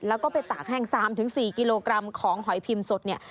แล้วก็ไปตากแห้ง๓๔กิโลกรัมของหอยพิมพ์สดเนี่ย